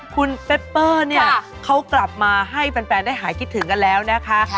คุณเปปเปอร์เนี่ยเขากลับมาให้แฟนได้หายคิดถึงกันแล้วนะคะ